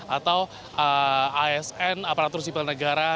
atau asn aparatur sipil negara